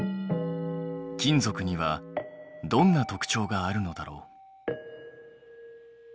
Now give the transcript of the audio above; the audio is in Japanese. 金属にはどんな特徴があるのだろう？